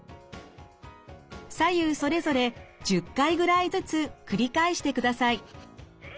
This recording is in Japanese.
左右それぞれ１０回ぐらいずつ繰り返してください。